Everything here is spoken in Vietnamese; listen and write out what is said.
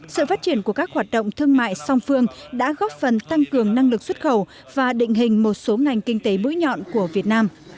sự phát triển của các hoạt động thương mại song phương đã góp phần tăng cường năng lực xuất khẩu và định hình một số ngành kinh tế mũi nhọn của việt nam